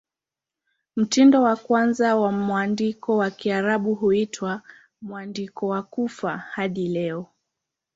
Mtindo wa kwanza wa mwandiko wa Kiarabu huitwa "Mwandiko wa Kufa" hadi leo.